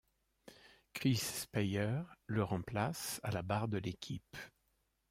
Chris Speier le remplace à la barre de l'équipe.